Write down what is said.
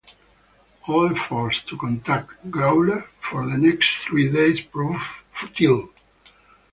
All efforts to contact "Growler" for the next three days proved futile.